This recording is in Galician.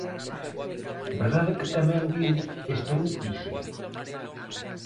¿Verdade que tamén viu esta noticia?